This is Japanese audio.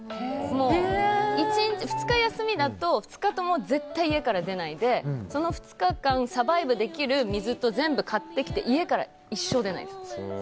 もう２日休みだと、２日とも絶対家から出ないでその２日間サバイブできる水とか全部買ってきて家から一生出ないです。